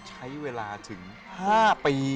ใช้เวลาถึง๕ปี